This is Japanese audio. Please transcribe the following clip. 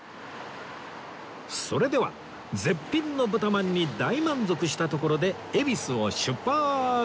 それでは絶品の豚饅に大満足したところで恵比寿を出発！